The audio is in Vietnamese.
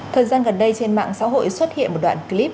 thời gian gần đây trên mạng xã hội xuất hiện một đoạn clip